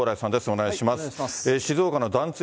お願いします。